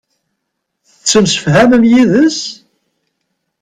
Tettemsefhamem yid-s?